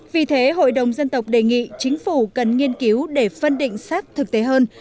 vì thế hội đồng dân tộc đề nghị chính phủ cần nghiên cứu để phân định sát thực tế hơn